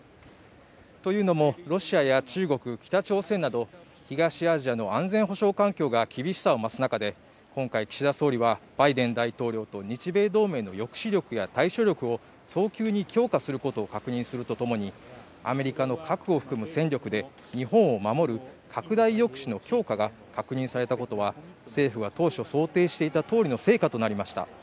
というのもロシアや中国、北朝鮮など東アジアの安全保障環境が厳しさを増す中で今回、岸田総理はバイデン大統領と日米同盟の抑止力と対処力を早急に強化することを確認するとともにアメリカの核を含む戦力で日本を守る拡大抑止の強化を確認されたことは政府が当初想定していたとおりの成果となりました。